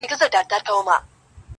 سردونو ویښ نه کړای سو,